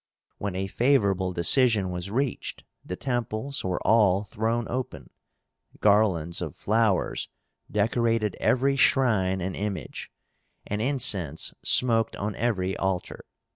When a favorable decision was reached, the temples were all thrown open, garlands of flowers decorated every shrine and image, and incense smoked on every altar.